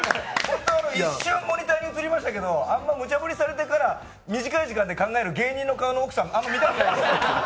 一瞬モニターに映りましたけどもあんまり、むちゃぶりされてから短い時間で考える芸人の顔の奥さん、あんまり見たくないです。